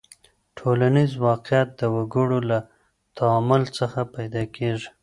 ټولنیز واقعیت د وګړو له تعامل څخه پیدا کېږي.